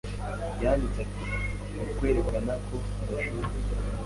Yanditse ati: "Mu kwerekana ko bidashoboka